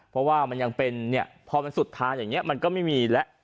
เพราะว่ามันยังเป็นเนี่ยพอมันสุดทานอย่างนี้มันก็ไม่มีแล้ว